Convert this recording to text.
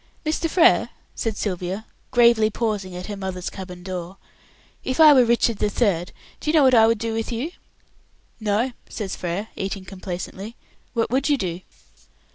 "Mr. Frere," said Sylvia, gravely pausing at her mother's cabin door, "if I were Richard the Third, do you know what I should do with you?" "No," says Frere, eating complacently; "what would you do?"